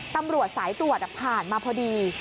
ตำรวจสายตรวจผ่านมาพอดี